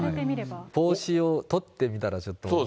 帽子を取ってみたら、ちょっと。